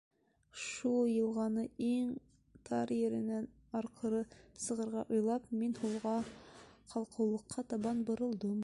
Шул йылғаны иң тар еренән арҡыры сығырға уйлап, мин һулға, ҡалҡыулыҡҡа табан боролдом.